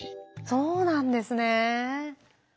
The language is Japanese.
そうなんですね。